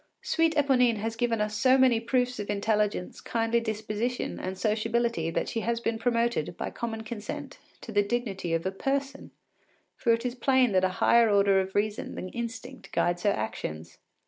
Sweet Eponine has given us so many proofs of intelligence, kindly disposition, and sociability that she has been promoted, by common consent, to the dignity of a person, for it is plain that a higher order of reason than instinct guides her actions.